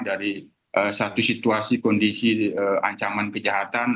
dari satu situasi kondisi ancaman kejahatan